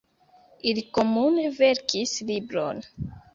Ili komune verkis libron.